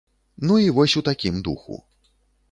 Ну і вось у такім духу.